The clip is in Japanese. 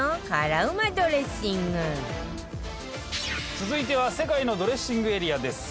続いては世界のドレッシングエリアです。